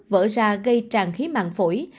vỡ ra gây tràn khí mạng phổi